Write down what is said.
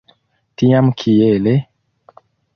Tiam kiele?